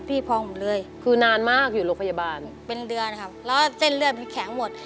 เป็นเรือนะครับแล้วเส้นเลือดมันแข็งหมด